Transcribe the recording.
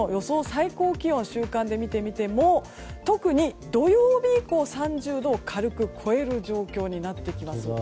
最高気温週間で見てみても特に土曜日以降、３０度を軽く超える状況になってきます。